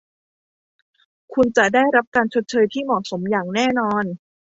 คุณจะได้รับการชดเชยที่เหมาะสมอย่างแน่นอน